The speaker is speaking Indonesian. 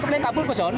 kemudian kabur ke sana